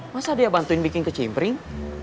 masa dia bantuin bikin kecimpring